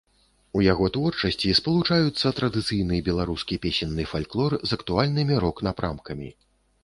У яго творчасці спалучаюцца традыцыйны беларускі песенны фальклор з актуальнымі рок-напрамкамі.